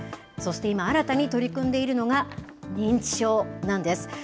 そして今、新たに取り組んでいるのが、認知症なんです。